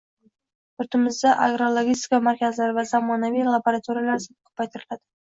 Yurtimizda agrologistika markazlari va zamonaviy laboratoriyalar soni ko‘paytiriladi.